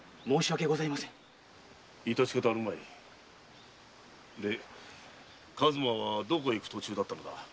致し方あるまいで数馬はどこへ行く途中だったのだ？